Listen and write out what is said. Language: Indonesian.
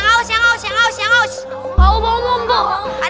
kasih air kasih dipegangin aja